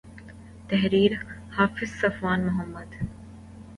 تحریر :حافظ صفوان محمد